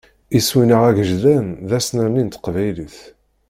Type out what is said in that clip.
Iswi-nneɣ agejdan d asnerni n teqbaylit.